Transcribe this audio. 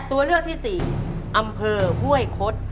ตัวเลือกที่๔อำเภอห้วยคด